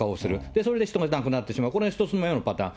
それで人が亡くなってしまう、これが１つ目のパターン。